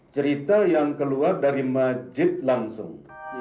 cerita yang keluar dari masjid langsung